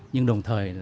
nhưng đồng thời